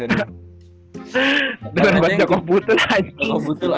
dengerin jakob putel aja